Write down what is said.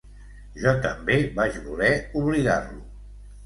Jo també vaig voler oblidar-lo.